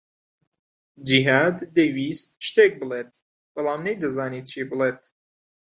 جیھاد دەیویست شتێک بڵێت، بەڵام نەیدەزانی چی بڵێت.